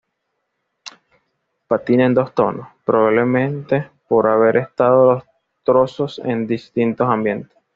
Pátina en dos tonos, probablemente por haber estado los trozos en distintos ambientes.